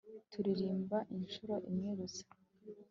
turirimba inshuro imwe gusa